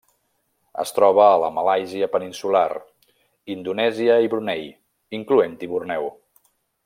Es troba a la Malàisia peninsular, Indonèsia i Brunei, incloent-hi Borneo.